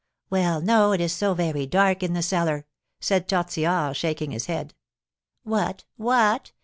"Well, no, it is so very dark in the cellar," said Tortillard, shaking his head. "What! What!